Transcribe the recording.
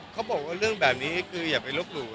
เขาบอกว่าเรื่องแบบนี้คืออย่าไปลบหลู่